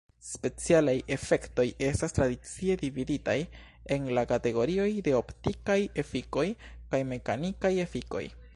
Specialaj efektoj estas tradicie dividitaj en la kategorioj de optikaj efikoj kaj mekanikaj efikoj.